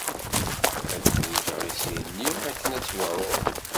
Ad ḥwijeɣ isili akken ad t-wɛuɣ.